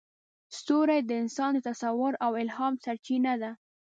ستوري د انسان د تصور او الهام سرچینه ده.